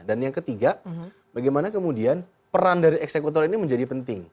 dan yang ketiga bagaimana kemudian peran dari eksekutor ini menjadi penting